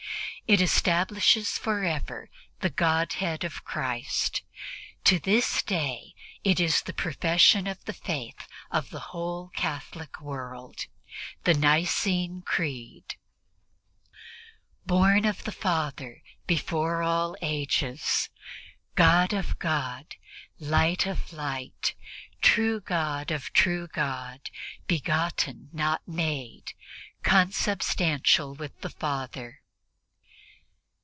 It establishes forever the Godhead of Christ. To this day it is the profession of Faith of the whole Catholic world the Nicene Creed. "Born of the Father before all ages, God of God, Light of Light, true God of true God, begotten not made, consubstantial with the Father